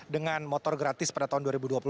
dengan motor gratis pada tahun dua ribu dua puluh satu